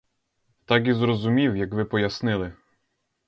Так і зрозумів, як ви пояснили.